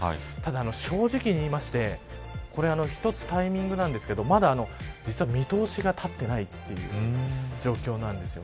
正直に言って一つタイミングなんですけどまだ実は、見通しが立っていないという状況なんです。